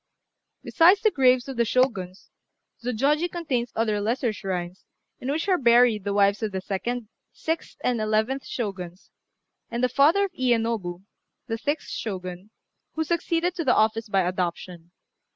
Besides the graves of the Shoguns, Zôjôji contains other lesser shrines, in which are buried the wives of the second, sixth, and eleventh Shoguns, and the father of Iyénobu, the sixth Shogun, who succeeded to the office by adoption.